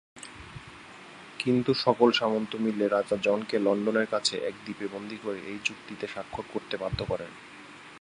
কিন্তু সকল সামন্ত মিলে রাজা জন কে লন্ডনের কাছে এক দ্বীপে বন্দি করে এই চুক্তিতে স্বাক্ষর করতে বাধ্য করেন।